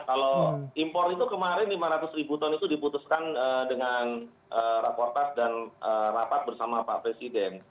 kalau impor itu kemarin lima ratus ribu ton itu diputuskan dengan raportas dan rapat bersama pak presiden